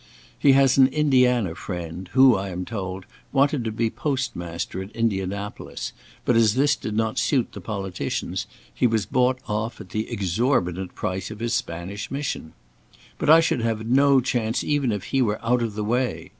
He has an Indiana friend, who, I am told, wanted to be postmaster at Indianapolis, but as this did not suit the politicians, he was bought off at the exorbitant price of the Spanish mission. But I should have no chance even if he were out of the way.